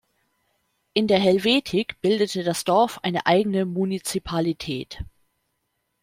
In der Helvetik bildete das Dorf eine eigene Munizipalität.